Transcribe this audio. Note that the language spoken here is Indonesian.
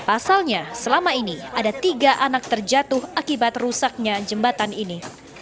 pasalnya selama ini ada tiga anak terjatuh akibat rusaknya jembatan ini